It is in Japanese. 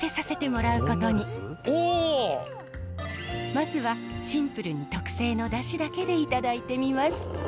まずはシンプルに特製のダシだけでいただいてみます。